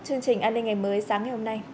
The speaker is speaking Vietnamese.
chương trình an ninh ngày mới sáng ngày hôm nay